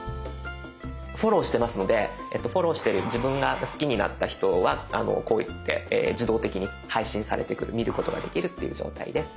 フォローしてますのでフォローしてる自分が好きになった人のがこうやって自動的に配信されてくる見ることができるっていう状態です。